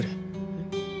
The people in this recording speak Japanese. えっ？